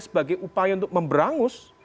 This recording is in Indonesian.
sebagai upaya untuk memberangus